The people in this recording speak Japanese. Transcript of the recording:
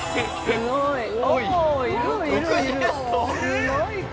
すごい数。